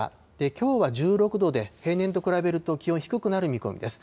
きょうは１６度で平年と比べると気温低くなる見込みです。